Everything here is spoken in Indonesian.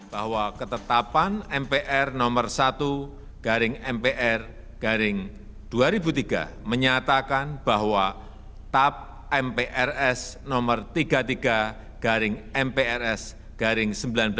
bahwa ketetapan mpr nomor satu garing mpr garing dua ribu tiga menyatakan bahwa tap mprs nomor tiga puluh tiga mprs garing seribu sembilan ratus sembilan puluh